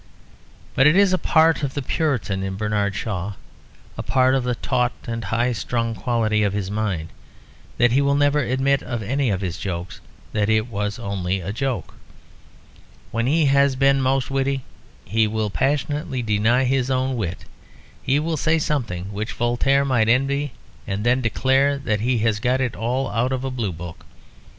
But it is a part of the Puritan in Bernard Shaw, a part of the taut and high strung quality of his mind, that he will never admit of any of his jokes that it was only a joke. When he has been most witty he will passionately deny his own wit; he will say something which Voltaire might envy and then declare that he has got it all out of a Blue book.